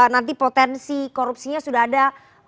nanti potensi korupsinya sudah ada